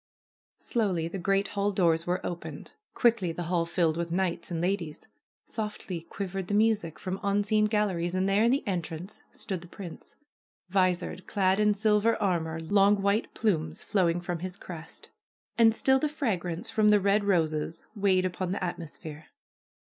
Slowly the great hall doors were opened. Quickly the hall filled with knights and ladies. Softly quivered the music from unseen galleries, and there in the entrance stood the prince, visored, clad in silver armor, long white plumes flowing from his crest. And still the fragrance from the red roses weighed upon the at mosphere.